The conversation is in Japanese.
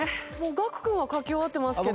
楽君は書き終わってますけど。